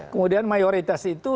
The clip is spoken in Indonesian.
kemudian mayoritas itu